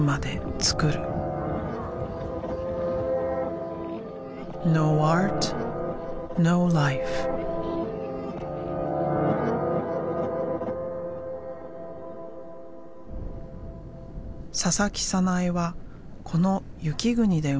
佐々木早苗はこの雪国で生まれ育った。